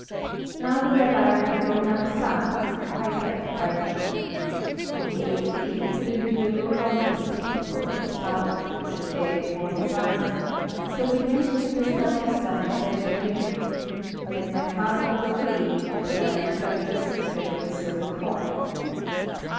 Now the Rabbi had a grown up son, Jaikef by name. On the eighth day he could endure no longer the spectacle of his father tortured there before his eyes, so he went to the Starosta and said to him "Let my father go free, and I will tell you the secret of the silver coin."